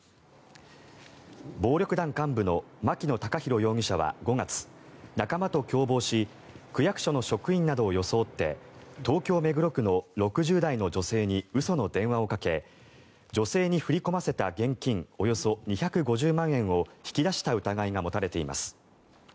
暴力団幹部の牧野孝広容疑者は５月、仲間と共謀し区役所の職員などを装って東京・目黒区の６０代の女性に嘘の電話をかけ女性に振り込ませた現金およそ２５０万円を引き出した疑いが持たれています。